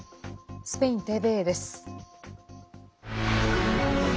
スペインＴＶＥです。